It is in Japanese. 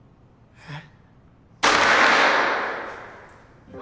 えっ？